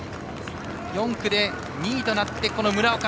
４区で２位となって村岡。